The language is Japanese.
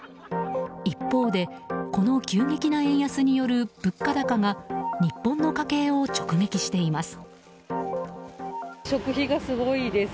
一方でこの急激な円安による物価高が日本の家計を直撃しています。